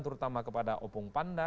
terutama kepada opung panda